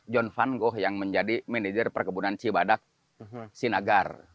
jan louis van gogh yang menjadi manajer perkebunan cibadak sinagar